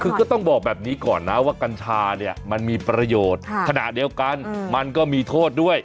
คือก็ต้องบอกแบบนี้ก่อนนะว่ากัญชาเนี่ยมันมีประโยชน์ขณะเดียวกันมันก็มีโทษด้วย